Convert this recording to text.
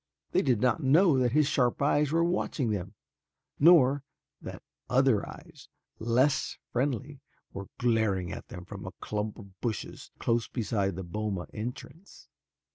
They did not know that his sharp eyes were watching them, nor that other eyes less friendly were glaring at them from a clump of bushes close beside the boma entrance.